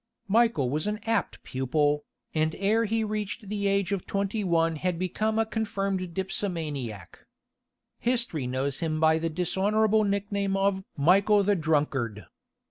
Michael was an apt pupil, and ere he reached the age of twenty one had become a confirmed dipsomaniac. History knows him by the dishonourable nickname of "Michael the Drunkard."